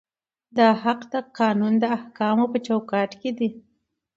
دا حق د قانون د احکامو په چوکاټ کې دی.